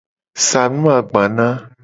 Sa nu agbana.